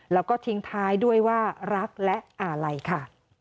แล้วก็ทิ้งท้ายด้วยว่ารักและอะไรค่ะ